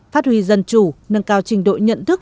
phát huy dân chủ nâng cao trình độ nhận thức